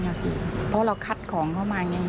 เพราะเราคัดของเข้ามาไง